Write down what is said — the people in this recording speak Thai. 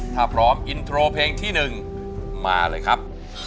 ถ้าพร้อมอินโทรเพลงที่๑มาเลยครับ